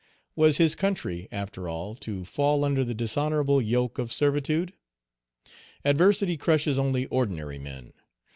Was his country, after all, to fall under the dishonorable yoke of servitude? Adversity crushes only ordinary men.